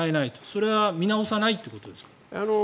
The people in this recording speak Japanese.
それは見直さないということですか？